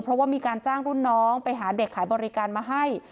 เพราะว่ามีการจ้างรุ่นน้องไปหาเด็กขายบริการมาให้